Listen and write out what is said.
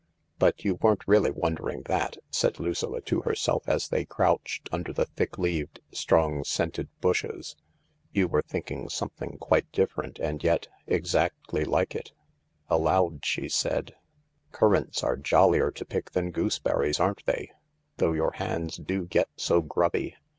" But you weren't really wondering that," said Lucilla to herself, as they crouched under the thick leaved, strong scented bushes. " You were thinking some thing quite different and yet exactly like it." Aloud she said :" Currants are jollier to pick than gooseberries, aren't 206 THE LARK they, though your hands do get so grubby